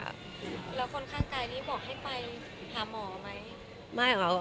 แล้วคนข้างกายนี้บอกให้ไปหาหมอไหม